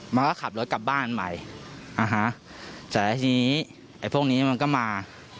มันก็ขับรถกลับบ้านใหม่เสร็จแล้วทีนี้พวกนี้มันก็มา